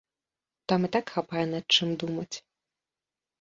Там і так хапае над чым думаць.